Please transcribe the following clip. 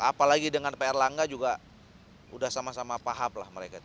apalagi dengan pr langga juga sudah sama sama paham mereka